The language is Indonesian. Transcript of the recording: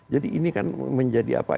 jadi ini kan menjadi apa